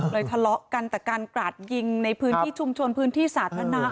ทะเลาะกันแต่การกราดยิงในพื้นที่ชุมชนพื้นที่สาธารณะ